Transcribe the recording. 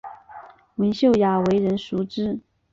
文秀雅为人熟知。